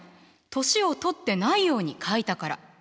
年を取ってないように描いたから。